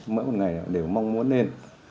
mỗi một ngày đều mong muốn lên